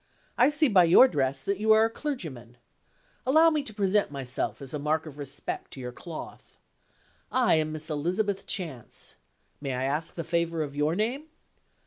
I see by your dress that you are a clergyman. Allow me to present myself as a mark of respect to your cloth. I am Miss Elizabeth Chance. May I ask the favor of your name?"